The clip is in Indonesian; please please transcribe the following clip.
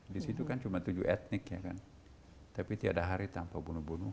di situ kan cuma tujuh etnik ya kan tapi tiada hari tanpa bunuh bunuh